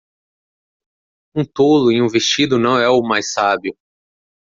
Um tolo em um vestido não é o mais sábio.